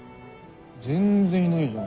全然いないじゃん。